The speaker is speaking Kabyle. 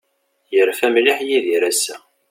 Yerfa mliḥ Yidir ass-a.